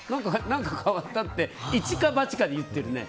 何か変わったって一か八かで言ってるね。